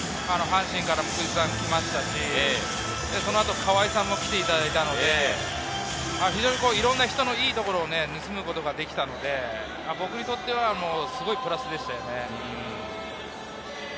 阪神から福井さんも来ましたし、そのあと川相さんも来ていただいたので、いろんな人のいいところを盗むことができたので、僕にとってはすごくプラスでした。